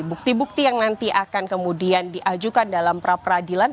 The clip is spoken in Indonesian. bukti bukti yang nanti akan kemudian diajukan dalam pra peradilan